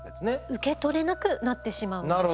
受け取れなくなってしまうんですね。